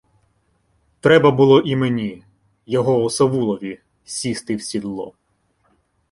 Треба було і мені — його осавулові — сісти в сідло.